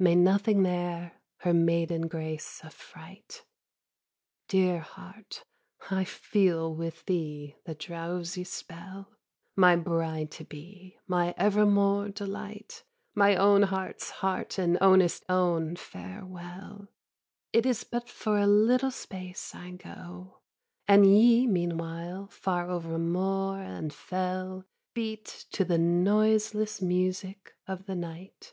May nothing there her maiden grace affright! Dear heart, I feel with thee the drowsy spell. My bride to be, my evermore delight, My own heart's heart and ownest own farewell; It is but for a little space I go: And ye meanwhile far over moor and fell Beat to the noiseless music of the night!